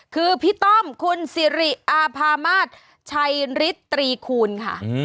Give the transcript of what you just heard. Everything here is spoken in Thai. คือพี่ต้อมคุณสิริอาภามาศชัยฤทตรีคูณค่ะ